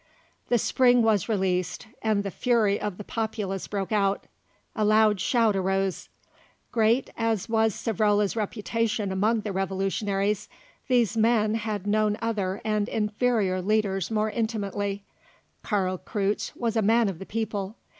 The spring was released, and the fury of the populace broke out. A loud shout arose. Great as was Savrola's reputation among the Revolutionaries, these men had known other and inferior leaders more intimately. Karl Kreutze was a man of the people.